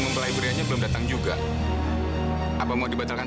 seperti ada yang mengenal masalah